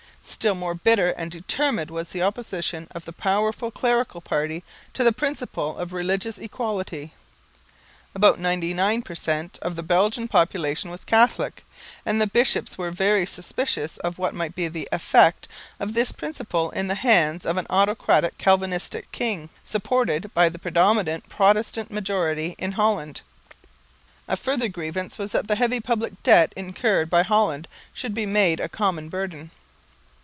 Still more bitter and determined was the opposition of the powerful clerical party to the principle of religious equality. About 99 per cent, of the Belgian population was Catholic; and the bishops were very suspicious of what might be the effect of this principle in the hands of an autocratic Calvinist king, supported by the predominant Protestant majority in Holland. A further grievance was that the heavy public debt incurred by Holland should be made a common burden.